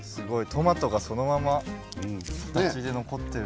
トマトがそのまま残っている。